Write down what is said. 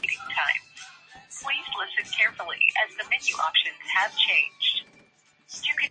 Each variable in Lucid is a stream of values.